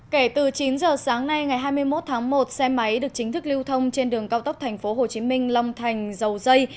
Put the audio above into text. kể từ chín giờ sáng nay ngày hai mươi một tháng một xe máy được chính thức lưu thông trên đường cao tốc thành phố hồ chí minh long thành dầu dây